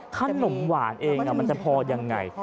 ขนมหวานเองมันจะพอยังไง